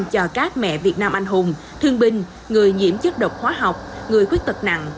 cho các mẹ việt nam anh hùng thương binh người nhiễm chất độc hóa học người khuyết tật nặng